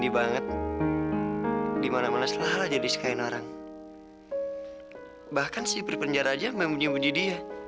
bagaimana aja membunyi bunyi dia